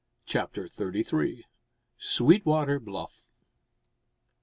CHAPTER THIRTY THREE. SWEETWATER BLUFF.